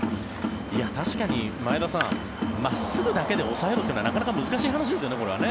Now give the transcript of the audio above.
確かに前田さん、真っすぐだけで抑えろっていうのはなかなか難しい話ですよね。